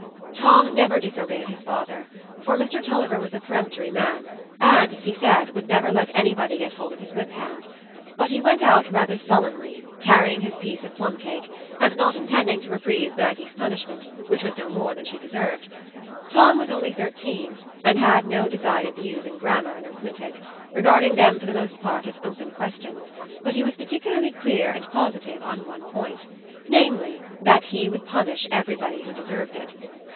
Tom never disobeyed his father, for Mr Tulliver was a peremptory man, and, as he said, would never let anybody get hold of his whip hand; but he went out rather sullenly, carrying his piece of plumcake, and not intending to reprieve Maggie's punishment, which was no more than she deserved. Tom was only thirteen, and had no decided views in grammar and arithmetic, regarding them for the most part as open questions, but he was particularly clear and positive on one point,—namely, that he would punish everybody who deserved it.